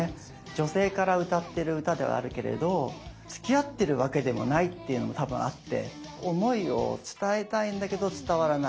女性から歌ってる歌ではあるけれどつきあってるわけでもないっていうのも多分あって思いを伝えたいんだけど伝わらない。